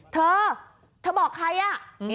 เธอที่บอกใคร